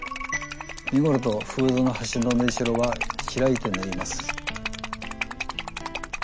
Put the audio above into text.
身ごろとフードの端の縫いしろは開いて縫います。